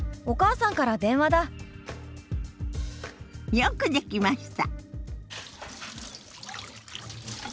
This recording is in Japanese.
よくできました。